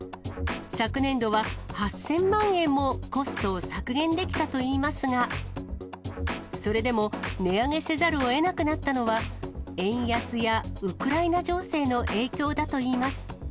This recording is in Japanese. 昨年度は８０００万円もコストを削減できたといいますが、それでも、値上げせざるをえなくなったのは、円安やウクライナ情勢の影響だといいます。